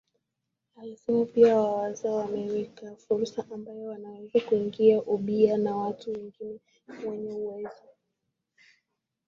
Alisema pia Wazawa wamewekewa fursa ambayo wanaweza kuingia ubia na watu wengine wenye uwezo